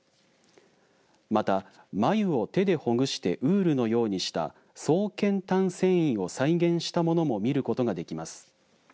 また繭を手でほぐしてウールのようにした繰繭短繊維を再現したものも見ることができます。